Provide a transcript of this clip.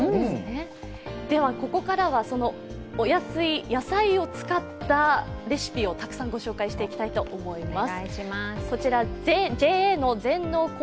ここからはお安い野菜を使ったレシピをたくさんご紹介していきたいと思います。